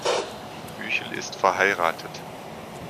Büchel ist verheiratet.